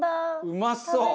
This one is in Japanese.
うまそう！